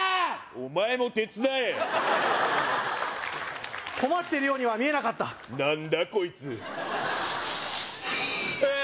お前も手伝え困っているようには見えなかった何だこいつあーっ